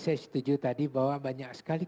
saya setuju tadi bahwa banyak sekali